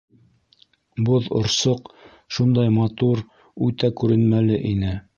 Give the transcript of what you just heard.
Боҙорсоҡ шундай матур, үтә күренмәле ине.